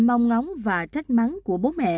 mong ngóng và trách mắng của bố mẹ